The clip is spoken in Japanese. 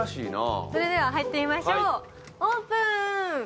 では入ってみましょう、オープン。